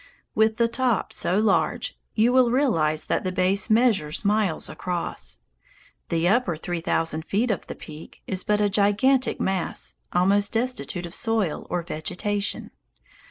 With the top so large, you will realize that the base measures miles across. The upper three thousand feet of the peak is but a gigantic mass, almost destitute of soil or vegetation.